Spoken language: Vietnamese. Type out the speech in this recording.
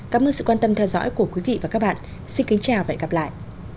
cảm ơn sự quan tâm theo dõi của quý vị và các bạn xin kính chào và hẹn gặp lại